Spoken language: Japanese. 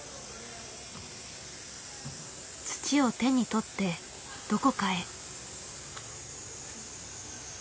土を手に取ってどこかへ。